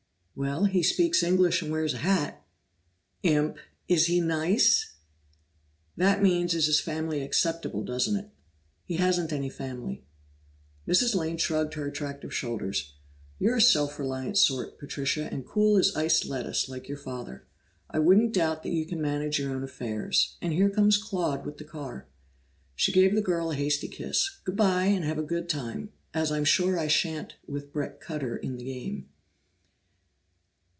"Well, he speaks English and wears a hat." "Imp! Is he nice?" "That means is his family acceptable, doesn't it? He hasn't any family." Mrs. Lane shrugged her attractive shoulders. "You're a self reliant sort, Patricia, and cool as iced lettuce, like your father. I don't doubt that you can manage your own affairs, and here comes Claude with the car." She gave the girl a hasty kiss. "Good bye, and have a good time, as I'm sure I shan't with Bret Cutter in the game."